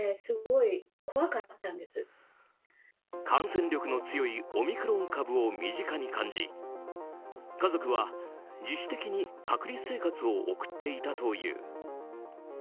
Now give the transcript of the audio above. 感染力の強いオミクロン株を身近に感じ家族は自主的に隔離生活を送っていたという。